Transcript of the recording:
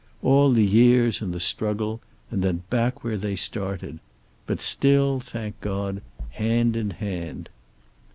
All the years and the struggle, and then back where they started. But still, thank God, hand in hand.